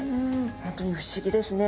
本当に不思議ですね。